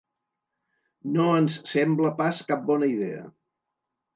No ens sembla pas cap bona idea.